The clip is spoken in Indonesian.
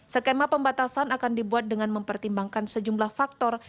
skema pembatasan akan dibuat dengan mempertimbangkan sejumlah faktor